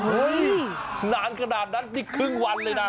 นานขนาดนั้นนี่ครึ่งวันเลยนะ